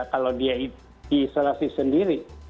kalau dia diisolasi sendiri